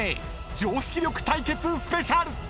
［常識力対決スペシャル！］